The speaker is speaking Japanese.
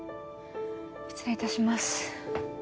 失礼いたします